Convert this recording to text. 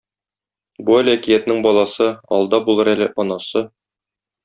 Бу әле әкиятнең баласы, алда булыр әле анасы.